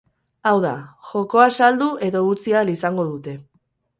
Hau da, jokoa saldu edo utzi ahal izango dute.